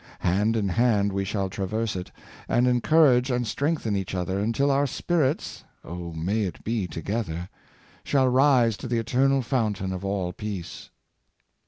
Hand in hand we shall traverse it, and encourage and strengthen each other, until our spirits — oh, may it be together! — shall rise to the eternal fountain of all peace.